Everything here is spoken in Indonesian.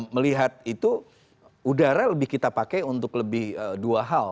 melihat itu udara lebih kita pakai untuk lebih dua hal